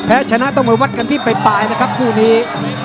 แพ้ชนะต้องไปวัดกันที่ปลายนะครับคู่นี้